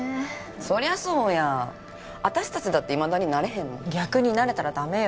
そりゃそうや私達だっていまだに慣れへんもん逆に慣れたらダメよ